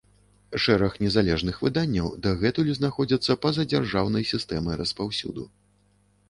Шэраг незалежных выданняў дагэтуль знаходзяцца па-за дзяржаўнай сістэмай распаўсюду.